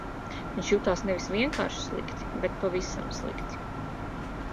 Viņš jutās nevis vienkārši slikti, bet pavisam slikti.